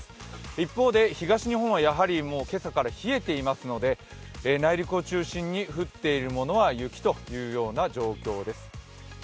一方で東日本は今朝から冷えていますので内陸を中心に降っているものは雪というような状況です。